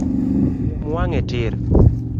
Siem wang’e tir